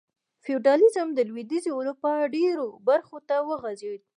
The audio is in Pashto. فیوډالېزم د لوېدیځې اروپا ډېرو برخو ته وغځېد.